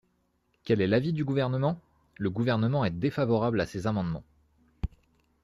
Quel est l’avis du Gouvernement ? Le Gouvernement est défavorable à ces amendements.